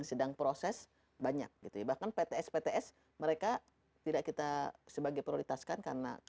sedang proses banyak gitu ya bahkan pts pts mereka tidak kita sebagai prioritaskan karena